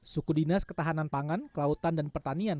suku dinas ketahanan pangan kelautan dan pertanian